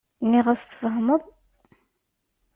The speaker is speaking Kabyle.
Nniɣ-as tfehmeḍ.